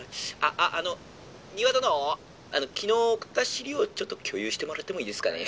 あっあの丹羽殿昨日送った資料ちょっと共有してもらってもいいですかね」。